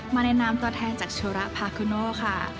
มาในน้ำตัวแทนจากชุระภาคุโนค่ะ